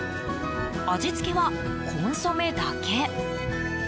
味付けはコンソメだけ。